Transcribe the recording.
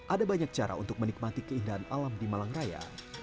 ada banyak cara untuk menikmati keindahan alam di malang raya